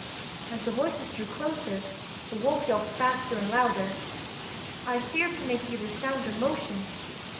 As the voices drew closer, the wolf yelped faster and louder. I feared to make either sound or motion.